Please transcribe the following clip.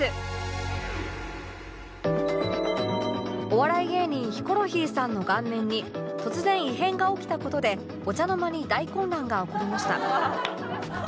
お笑い芸人ヒコロヒーさんの顔面に突然異変が起きた事でお茶の間に大混乱が起こりました